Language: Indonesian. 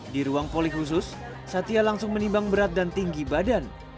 di ruang poli khusus satya langsung menimbang berat dan tinggi badan